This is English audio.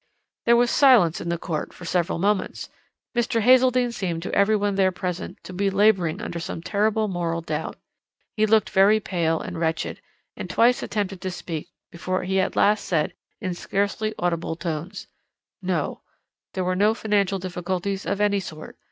"There was silence in the court for a few moments. Mr. Hazeldene seemed to every one there present to be labouring under some terrible moral doubt. He looked very pale and wretched, and twice attempted to speak before he at last said in scarcely audible tones: "'No; there were no financial difficulties of any sort.